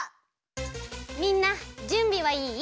みんなじゅんびはいい？